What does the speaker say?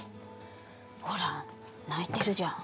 ほら、泣いてるじゃん。